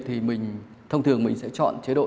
thì mình thông thường mình sẽ chọn chế độ